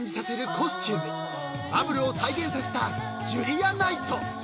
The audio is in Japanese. ［バブルを再現させたジュリアナイト］